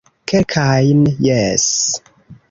Kelkajn, jes